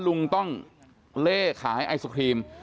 ลุงต้องเล่ขายไอศครีม